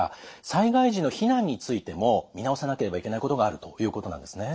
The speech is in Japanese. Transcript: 災害時の避難についても見直さなければいけないことがあるということなんですね。